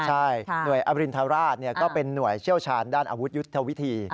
ใช่หน่วยอรินทราชก็เป็นหน่วยเชี่ยวชาญด้านอาวุธยุทธวิธี